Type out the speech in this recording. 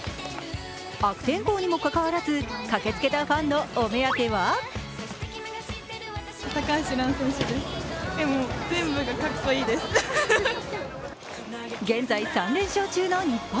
悪天候にもかかわらず駆けつけたファンのお目当ては現在３連勝中の日本。